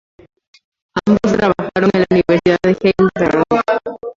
Ambos trabajaron en la Universidad de Heidelberg.